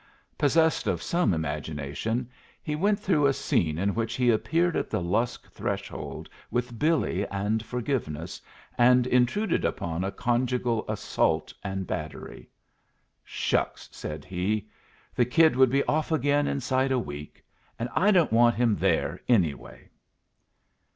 Possessed of some imagination, he went through a scene in which he appeared at the Lusk threshold with Billy and forgiveness, and intruded upon a conjugal assault and battery. "Shucks!" said he. "The kid would be off again inside a week. And I don't want him there, anyway."